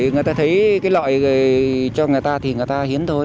người ta thấy cái loại cho người ta thì người ta hiến thôi